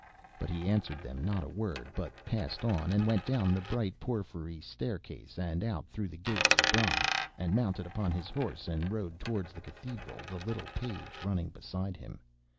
But he answered them not a word, but passed on, and went down the bright porphyry staircase, and out through the gates of bronze, and mounted upon his horse, and rode towards the cathedral, the little page running beside him.